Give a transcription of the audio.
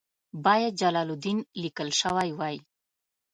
باید جلال الدین لیکل شوی وای.